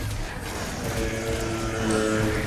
اب وہ تحریک انصاف کا رخ کر سکتے ہیں کہ پیپلز پارٹی کا